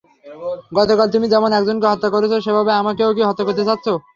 গতকাল তুমি যেমন একজনকে হত্যা করেছ সেভাবে আমাকেও কি হত্যা করতে চাচ্ছ!